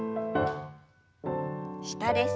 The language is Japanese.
下です。